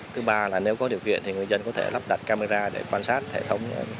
thứ ba là nếu có điều kiện thì người dân có thể lắp đặt camera để quan sát hệ thống